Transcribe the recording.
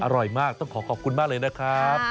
อร่อยมากต้องขอขอบคุณมากเลยนะครับ